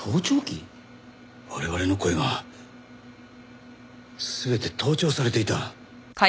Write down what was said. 我々の声が全て盗聴されていた。